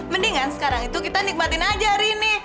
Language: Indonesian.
mendingan sekarang itu kita nikmatin aja hari ini